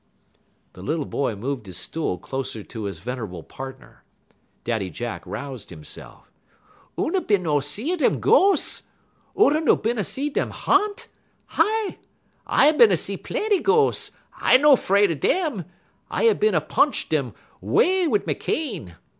The little boy moved his stool closer to his venerable partner. Daddy Jack roused himself. "Oona no bin a see dem ghos'? Oona no bin a see dem harnt? Hi! I is bin a see plenty ghos'; I no 'fraid dem; I is bin a punch dem 'way wit' me cane.